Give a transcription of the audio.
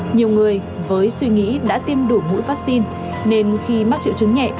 nhiều người với suy nghĩ đã tiêm đủ mũi vaccine nên khi mắc triệu chứng nhẹ